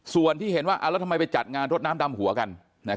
ส่วนที่เห็นว่าแล้วทำไมไปจัดงานรดน้ำดำหัวกัน